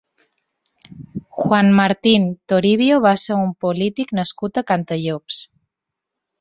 Juan Martín Toribio va ser un polític nascut a Cantallops.